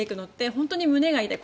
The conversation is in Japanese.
本当に胸が痛い。